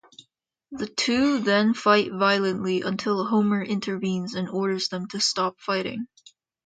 The two then fight violently until Homer intervenes and orders them to stop fighting.